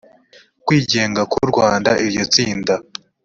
rwandaisno kwigenga k u rwanda iryo tsinda